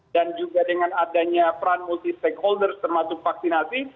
dan juga dengan adanya peran multi stakeholder termasuk vaksinasi